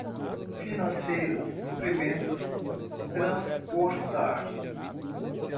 financeiros, suprimentos, transportar